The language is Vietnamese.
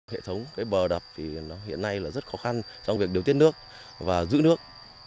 hệ thống bờ đập hiện nay rất khó khăn trong việc điều tiết nước và giữ nước